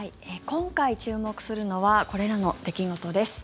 今回注目するのはこれらの出来事です。